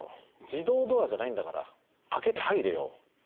自動ドアじゃないんだから開けて入れよ。